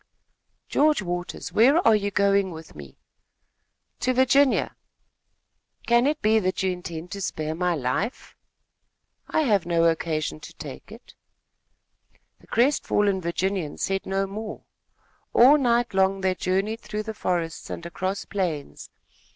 "George Waters, where are you going with me?" "To Virginia." "Can it be that you intend to spare my life?" "I have no occasion to take it." The crestfallen Virginian said no more. All night long they journeyed through the forests and across plains.